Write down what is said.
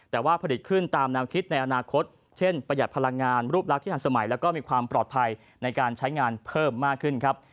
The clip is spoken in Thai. แต่ว่าผลิตขึ้นตามแนวคิดในอนาคตเช่นประหยัดพลังงานรูปลักษณ์ที่ทันสมัยแล้วก็มีความปลอดภัยในการใช้งานเพิ่มมากขึ้นครับ